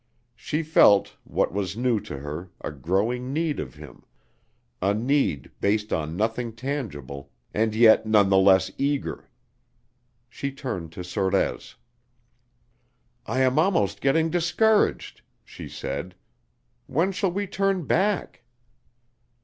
She felt, what was new to her, a growing need of him a need based on nothing tangible and yet none the less eager. She turned to Sorez. "I am almost getting discouraged," she said. "When shall we turn back?"